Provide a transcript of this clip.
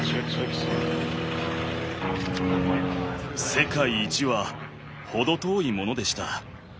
世界一は程遠いものでした。